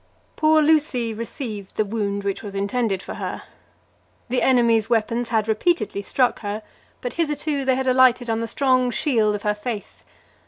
Poor Lucy received the wound which was intended for her. The enemy's weapons had repeatedly struck her, but hitherto they had alighted on the strong shield of her faith.